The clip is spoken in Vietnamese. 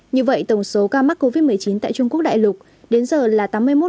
như vậy tổng số ca mắc covid một mươi chín tại trung quốc đại lục đến giờ là tám mươi một chín mươi một